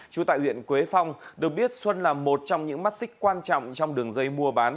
trú tại huyện quế phong được biết xuân là một trong những mắt xích quan trọng trong đường dây mua bán